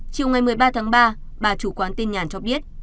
chiều ngày một mươi ba tháng ba bà chủ quán tin nhàn cho biết